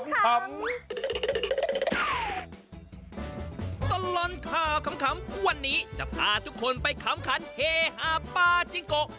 ตลอดข่าวขำวันนี้จะพาทุกคนไปขำขันเฮฮาปาจิงโกะ